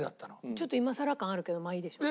ちょっと今さら感あるけどまあいいでしょう。